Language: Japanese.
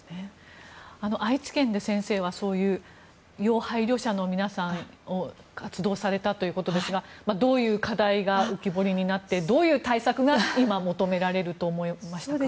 愛知県で先生はそういう要配慮者の皆さんの活動されたということですがどういう課題が浮き彫りになってどういう対策が今、求められると思いましたか？